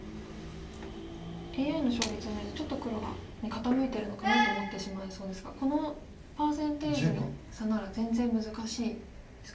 ＡＩの勝率を見るとちょっと黒に傾いているのかなと思ってしまいそうですがこのパーセンテージの差なら全然難しいですかね。